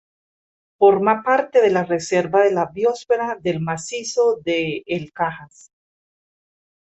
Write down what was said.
Forma parte de la Reserva de la Biosfera del Macizo de El Cajas.